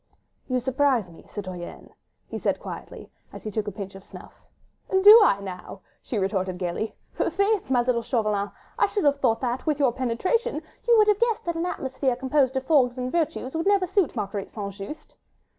"You surprise me, citoyenne," he said quietly, as he took a pinch of snuff. "Do I now?" she retorted gaily. "Faith, my little Chauvelin, I should have thought that, with your penetration, you would have guessed that an atmosphere composed of fogs and virtues would never suit Marguerite St. Just."